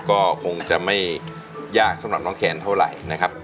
ก็คงจะไม่ยากสำหรับน้องแคนเท่าไหร่นะครับ